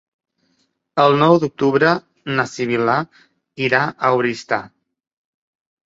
El nou d'octubre na Sibil·la irà a Oristà.